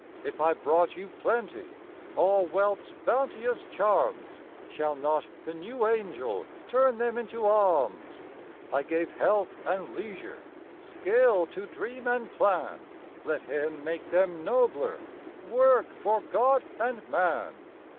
If I brought you Plenty, All wealth's bounteous charms, Shall not the New Angel Turn them into Alms ? I gave Health and Leisure, Skill to dream and plan ; Let him make them nobler ;— Work for God and Man.